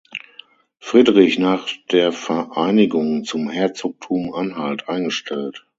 Friedrich nach der Vereinigung zum Herzogtum Anhalt eingestellt.